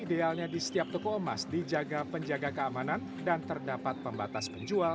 dan idealnya di setiap toko emas dijaga penjaga keamanan dan terdapat pembatas penjual